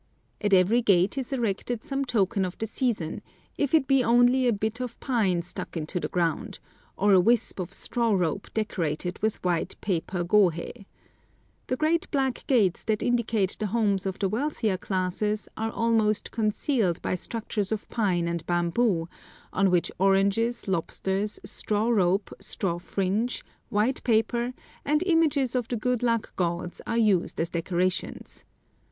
At every gate is erected some token of the season, if it be only a bit of pine stuck into the ground, or a wisp of straw rope decorated with white paper gohei. The great black gates that indicate the homes of the wealthier classes are almost concealed by structures of pine and bamboo, on which oranges, lobsters, straw rope, straw fringe, white paper, and images of the good luck gods are used as decorations.